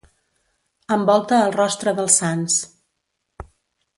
Envolta el rostre dels sants.